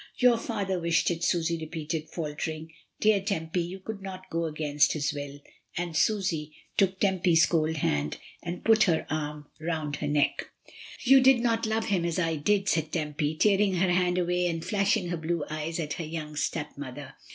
"Your father wished it," Susy repeated, falter ing. "Dear Tempy, you could not go against his will;" and Susy took Tempy's cold hand and put her arm roimd her neck. AFTERWARDS. 37 "You did not love him as I did," said Tempy, tearing her hand away and flashing her blue eyes at her young stepmother.